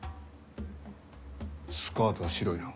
スカートは白いな。